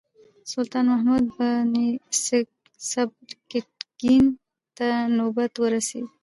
سلطان محمود بن سبکتګین ته نوبت ورسېد.